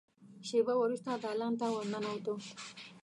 شېبه وروسته دالان ته ور ننوته.